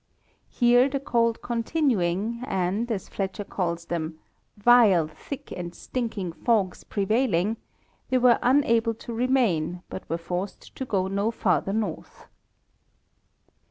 Here the cold continuing and, as Fletcher calls them, "vile, thick and stinking fogges prevailing," § they were unabfe to remain, but were forced to go no farther north.